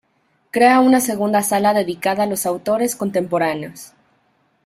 Crea una segunda sala dedicada a los autores contemporáneos.